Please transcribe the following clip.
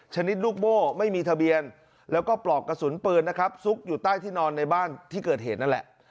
ชนิดลูกโม่ไม่มีทะเบียนแล้วก็ปลอกกระสุนปืนนะครับซุกอยู่ใต้ที่นอนในบ้านที่เกิดเหตุนั่นแหละ